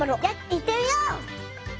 いってみよう！